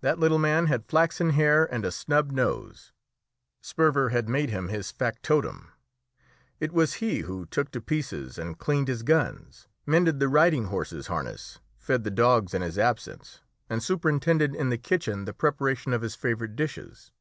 That little man had flaxen hair and a snub nose. Sperver had made him his factotum; it was he who took to pieces and cleaned his guns, mended the riding horses' harness, fed the dogs in his absence, and superintended in the kitchen the preparation of his favourite dishes.